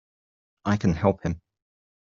I can help him!